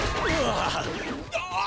ああ！